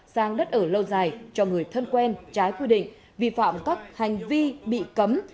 sang đất ở lâu dài cho người thân quen trái quy định vi phạm các hành vi bị cấm